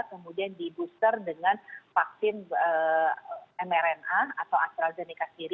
kemudian di booster dengan vaksin mrna atau astrazeneca sendiri